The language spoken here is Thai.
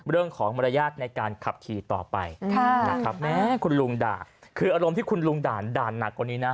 เรื่องของมารยาทในการขับขี่ต่อไปนะครับแม้คุณลุงด่าคืออารมณ์ที่คุณลุงด่านหนักกว่านี้นะ